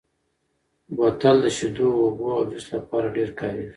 بوتل د شیدو، اوبو او جوس لپاره ډېر کارېږي.